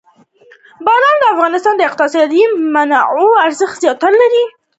بادام د افغانستان د اقتصادي منابعو ارزښت زیاتوي.